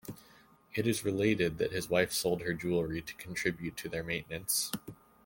It is related that his wife sold her jewelry to contribute to their maintenance.